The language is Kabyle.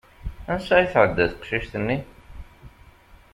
Ansa i tɛedda teqcicit-nni?